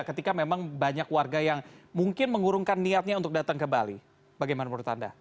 ketika memang banyak warga yang mungkin mengurungkan niatnya untuk datang ke bali bagaimana menurut anda